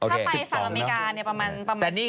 ถ้าไปสรรค์อเมกานี้ประมาณ๑๖